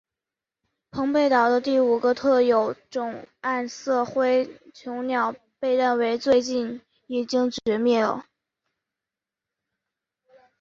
澎贝岛的第五个特有种暗色辉椋鸟被认为最近已经灭绝了。